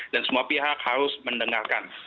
dan semua pihak harus mendengarkan